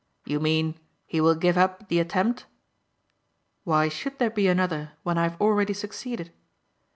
"You mean he will give up the attempt?" "Why should there be another when I have already succeeded?"